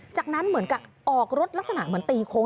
จากนั้นเหมือนกับออกรถลักษณะเหมือนตีโค้ง